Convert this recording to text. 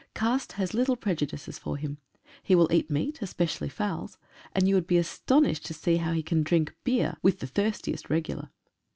Caste has little prejudices for him. He will eat meat, especially fowls, and you would be astonished to see how he can drink beer, with the thirstiest regular.